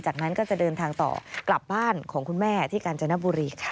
จากนั้นก็จะเดินทางต่อกลับบ้านของคุณแม่ที่กาญจนบุรีค่ะ